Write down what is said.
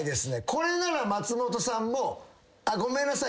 これなら松本さんも「ごめんなさい。